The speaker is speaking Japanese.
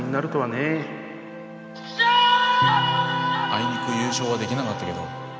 生憎優勝はできなかったけど。